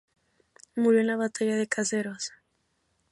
Murió en la Batalla de Caseros.